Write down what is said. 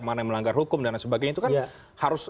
mana melanggar hukum dan sebagainya itu kan harus